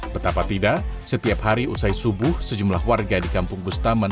betapa tidak setiap hari usai subuh sejumlah warga di kampung bustaman